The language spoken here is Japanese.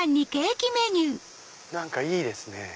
何かいいですね。